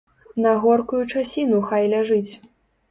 На горкую часіну хай ляжыць.